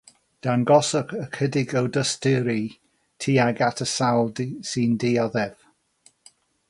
Dangoswch ychydig o dosturi tuag at y sawl sy'n dioddef.